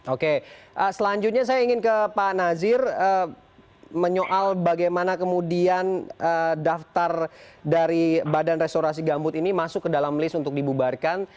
oke selanjutnya saya ingin ke pak nazir menyoal bagaimana kemudian daftar dari badan restorasi gambut ini masuk ke dalam list untuk dibubarkan